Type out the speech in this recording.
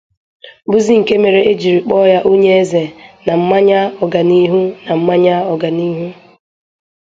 bụzị nke mere e jiri kpọọ ya 'Onyeze' na mmanya 'Ọganihu' na 'Mmanya Ọganiru'.